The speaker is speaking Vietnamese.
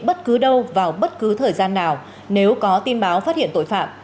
bất cứ đâu vào bất cứ thời gian nào nếu có tin báo phát hiện tội phạm